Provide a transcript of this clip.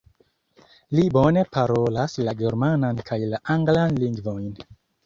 Li bone parolas la germanan kaj la anglan lingvojn.